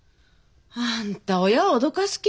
あんた親を脅かす気？